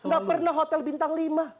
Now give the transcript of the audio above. gak pernah hotel bintang lima